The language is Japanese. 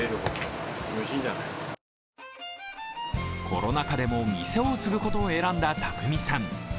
コロナ禍でも店を継ぐことを選んだ巧さん。